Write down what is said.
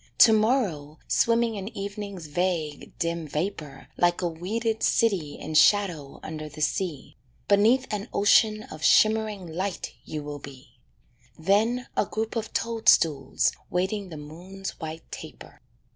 To morrow swimming in evening's vague, dim vapour Like a weeded city in shadow under the sea, Beneath an ocean of shimmering light you will be: Then a group of toadstools waiting the moon's white taper.